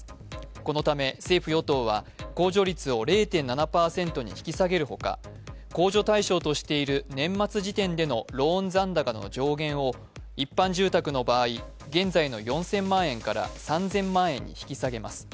このため政府・与党は控除率を０．７％に引き下げるほか控除対象としている年末時点でのローン残高の上限を一般住宅の場合、現在の４０００万円から３０００万円に引き下げます。